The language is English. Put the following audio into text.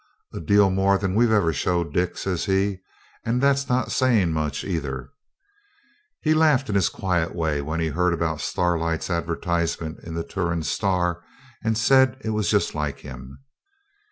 'A deal more than we've ever showed, Dick,' says he, 'and that's not saying much either.' He laughed in his quiet way when he heard about Starlight's advertisement in the 'Turon Star', and said it was just like him.